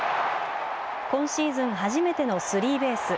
今シーズン初めてのスリーベース。